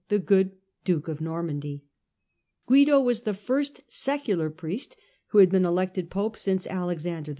(the Good), duke of Normandy. Guido was the first secular priest who had been elected pope since Alex ander n.